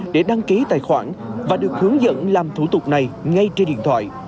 để đăng ký tài khoản và được hướng dẫn làm thủ tục này ngay trên điện thoại